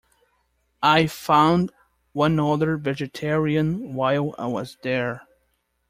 I found one other vegetarian while I was there.